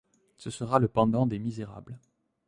Ce sera le pendant des Misérables.